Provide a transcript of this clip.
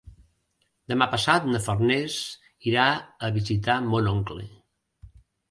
Demà passat na Farners irà a visitar mon oncle.